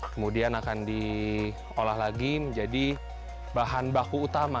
kemudian akan di olah lagi menjadi bahan baku utama